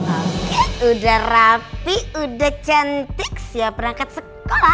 oke udah rapi udah cantik siap berangkat sekolah